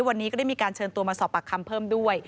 วันนี้ก็ได้มีการเชิญตัวมาสอบปากคำเพิ่มด้วย